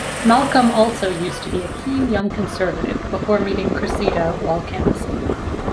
Malcolm also used to be a keen Young Conservative before meeting Cressida while canvassing.